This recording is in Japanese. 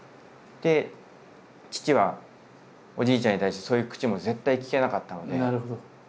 で父はおじいちゃんに対してそういう口も絶対利けなかったので。